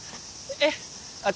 えっ